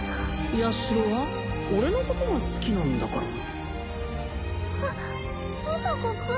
ヤシロは俺のことが好きなんだからは花子くん